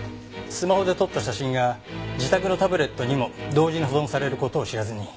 スマホで撮った写真が自宅のタブレットにも同時に保存される事を知らずに。